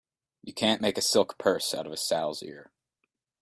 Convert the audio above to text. You can't make a silk purse out of a sow's ear.